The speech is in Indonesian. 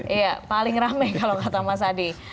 iya paling rame kalau kata mas adi